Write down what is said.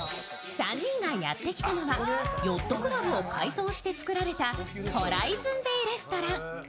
３人がやってきたのはヨットクラブを改装して作られたホライズンベイ・レストラン。